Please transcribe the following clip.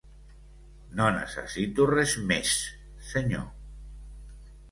No necessito res més, senyor!